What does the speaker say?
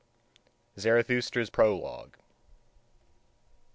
ZARATHUSTRA'S PROLOGUE.